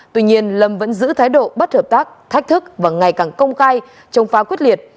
tuy nhiên lâm vẫn giữ thái độ bất hợp tác thách thức và ngày càng công khai chống phá quyết liệt